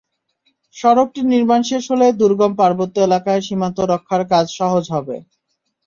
সড়কটি নির্মাণ শেষ হলে দুর্গম পার্বত্য এলাকায় সীমান্ত রক্ষার কাজ সহজ হবে।